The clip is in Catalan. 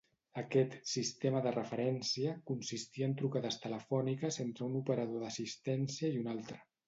Aquest "sistema de referència" consistia en trucades telefòniques entre un operador d'assistència i un altre.